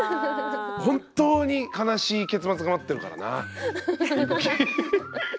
本当に悲しい結末が待ってるからな。